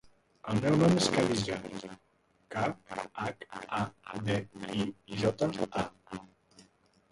El meu nom és Khadija: ca, hac, a, de, i, jota, a.